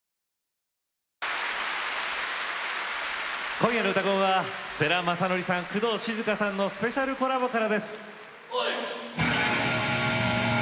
今夜の「うたコン」は世良公則さん、工藤静香さんのスペシャルコラボからです。